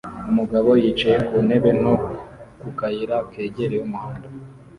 Umugabo yicaye ku ntebe nto ku kayira kegereye umuhanda